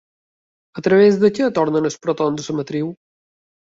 A través de què tornen els protons a la matriu?